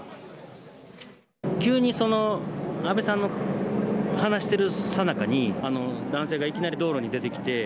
急に安倍さんの話してるさなかに男性がいきなり道路に出てきて。